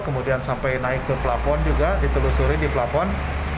kemudian sampai naik ke pelapon juga ditelusuri di pelapon